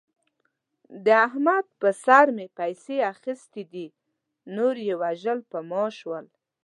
د احمد په سر مې پیسې اخستې دي. نور یې وژل په ما شول.